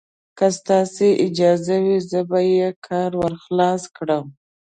که ستاسې اجازه وي، زه به یې کار ور خلاص کړم.